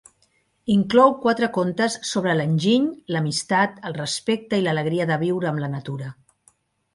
Inclou quatre contes sobre l’enginy, l’amistat, el respecte i l’alegria de viure amb la natura.